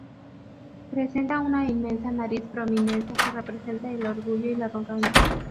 Presenta una inmensa nariz, prominencia que representa el orgullo y la arrogancia.